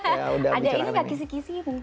ada ini nggak kisih kisih mungkin